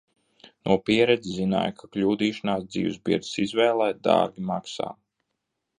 No pieredzes zināju, ka kļūdīšanās dzīvesbiedres izvēlē dārgi maksā.